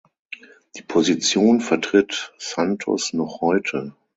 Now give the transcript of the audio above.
Die Position vertritt Santos noch heute.